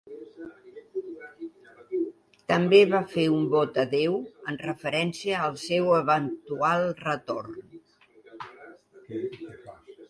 També va fer un vot a Déu en referència al seu eventual retorn.